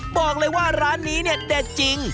บอกเลยว่าร้านนี้เด็ดจริง